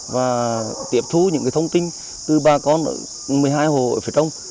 và tiệp thu những thông tin từ bà con ở một mươi hai hồ phía trống